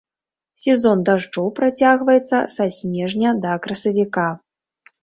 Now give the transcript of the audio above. Сезон дажджоў працягваецца са снежня да красавіка.